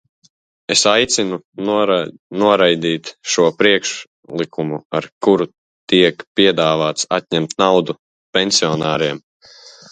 Es aicinu noraidīt šo priekšlikumu, ar kuru tiek piedāvāts atņemt naudu pensionāriem.